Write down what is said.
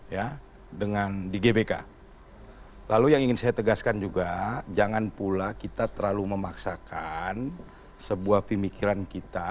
ya dengan di gbk lalu yang ingin saya tegaskan juga jangan pula kita terlalu memaksakan sebuah pemikiran kita